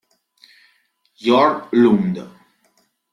Jørn Lund